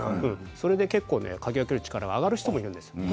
それで嗅ぎ分ける力が上がる人もいるんです。